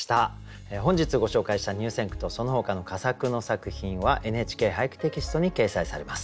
本日ご紹介した入選句とそのほかの佳作の作品は「ＮＨＫ俳句」テキストに掲載されます。